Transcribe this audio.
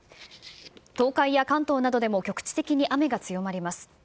東海や関東などでも局地的に雨が強まります。